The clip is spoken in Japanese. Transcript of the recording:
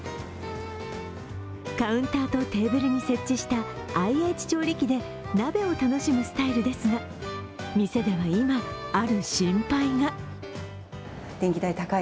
カウンターとテーブルに設置したＩＨ調理器で鍋を楽しむスタイルですが店では今、ある心配が。